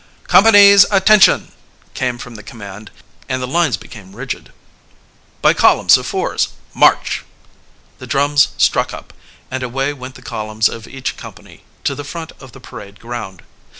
"Companies, attention!" came the command, and the lines became rigid. "By column of fours march!" The drums struck up, and away went the columns of each company, to the front of the parade ground.